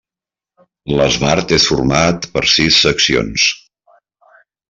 L'esbart és format per sis seccions.